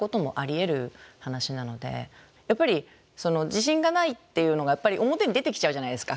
やっぱり自信がないっていうのが表に出てきちゃうじゃないですか。